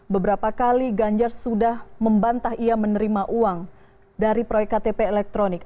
beberapa kali ganjar sudah membantah ia menerima uang dari proyek ktp elektronik